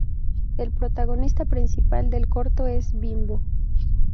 El protagonista principal del corto es Bimbo.